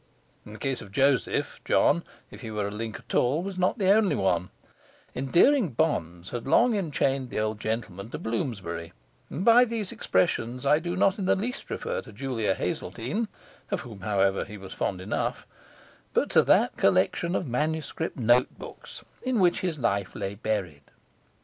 In the case of Joseph, John (if he were a link at all) was not the only one; endearing bonds had long enchained the old gentleman to Bloomsbury; and by these expressions I do not in the least refer to Julia Hazeltine (of whom, however, he was fond enough), but to that collection of manuscript notebooks in which his life lay buried.